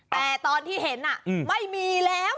แต่ตอนที่เห็นไม่มีแล้ว